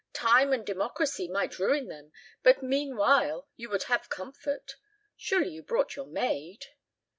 "Time and democracy might ruin them, but meanwhile you would have comfort. Surely you brought your maid?"